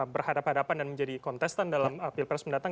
berhadapan hadapan dan menjadi kontestan dalam pilpres mendatang